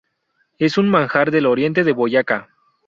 Es un manjar del oriente de Boyacá.